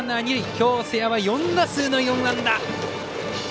今日、瀬谷は４打数の４安打。